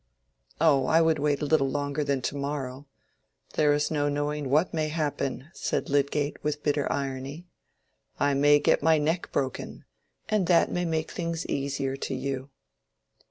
"Oh, I would wait a little longer than to morrow—there is no knowing what may happen," said Lydgate, with bitter irony. "I may get my neck broken, and that may make things easier to you."